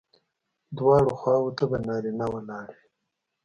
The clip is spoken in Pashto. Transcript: دواړو خواوو ته به نارینه ولاړ وي.